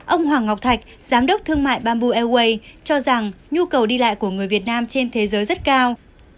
ông hoàng ngọc thạch giám đốc thương mại bamboo airways cho rằng nhu cầu đi lại của người việt nam trên thế giới rất cao